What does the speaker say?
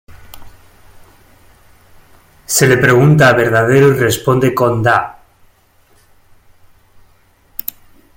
Se le pregunta a Verdadero y responde con da.